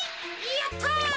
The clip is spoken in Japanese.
やった。